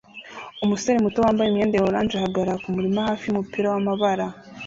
Umusore muto wambaye imyenda ya orange ahagarara kumurima hafi yumupira wamabara